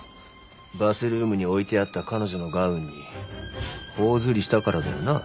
バスルームに置いてあった彼女のガウンに頬ずりしたからだよな？